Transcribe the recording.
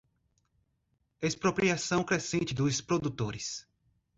expropriação crescente dos produtores